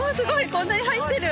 こんなに入ってる。